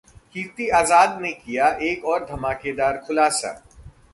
कीर्ति आजाद ने किया एक और धमाकेदार खुलासा